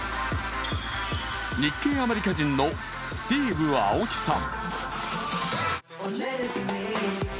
日系アメリカ人のスティーヴ・アオキさん。